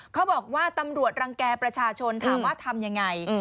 เขาบอกว่าตำรวจรังแก่ประชาชนถามว่าทำยังไง